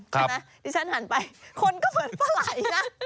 ที่ฉันหันไปคนก็เหมือนปลาไหล่